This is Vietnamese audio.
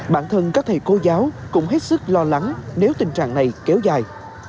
bản thân các thầy cô giáo cũng hết sức lo lắng nếu tình trạng này kéo dài